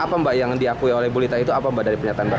apa mbak yang diakui oleh bu lita itu apa mbak dari pernyataan mbak